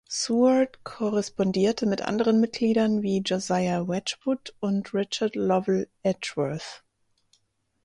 Seward korrespondierte mit anderen Mitgliedern wie Josiah Wedgwood und Richard Lovell Edgeworth.